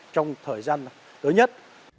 trong thời gian tới nhất